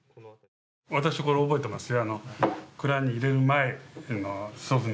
私、これ覚えてますよ。